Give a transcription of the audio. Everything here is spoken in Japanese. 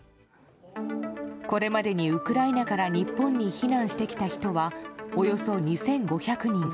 これまでにウクライナから日本に避難してきた人はおよそ２５００人。